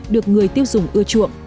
được người tiêu dùng ưa chuộng